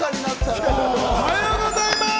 おはようございます！